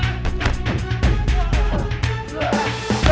itu baru tadi